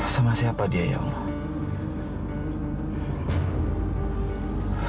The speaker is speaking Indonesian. sama siapa dia ya allah